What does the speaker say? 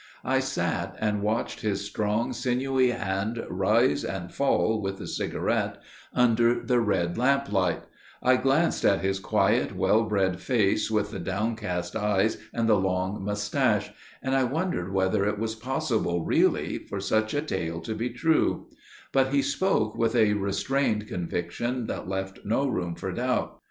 I sat and watched his strong sinewy hand rise and fall with the cigarette, under the red lamp light; I glanced at his quiet well bred face with the downcast eyes and the long moustache, and I wondered whether it was possible really for such a tale to be true; but he spoke with a restrained conviction that left no room for doubt.